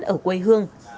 ở quê hương